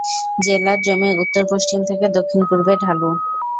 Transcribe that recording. জেলার জমি উত্তর-পশ্চিম থেকে দক্ষিণ-পূর্বে ঢালু।